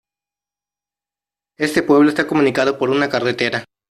Este pueblo está comunicado por una carretera.